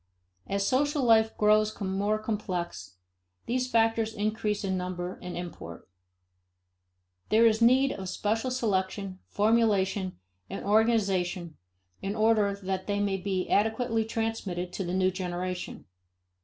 As social life grows more complex, these factors increase in number and import. There is need of special selection, formulation, and organization in order that they may be adequately transmitted to the new generation.